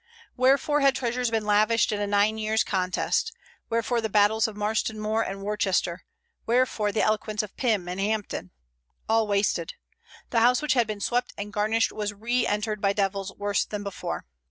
Wherefore had treasures been lavished in a nine years' contest; wherefore the battles of Marston Moor and Worcester; wherefore the eloquence of Pym and Hampden? All wasted. The house which had been swept and garnished was re entered by devils worse than before.